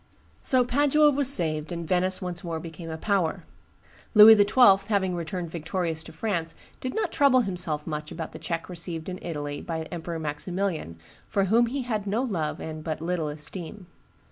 So Padua was saved, and Venice once more became a power. Louis XII., having returned victorious to France, did not trouble himself much about the check received in Italy by Emperor Maximilian, for whom he had no love and but little esteem.